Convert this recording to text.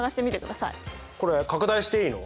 これ拡大していいの？